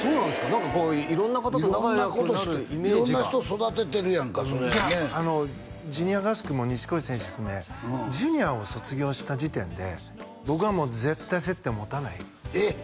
何かこう色んな方と仲良くなるイメージが色んな人育ててるやんかいやジュニア合宿も錦織選手含めジュニアを卒業した時点で僕はもう絶対接点を持たないえっ！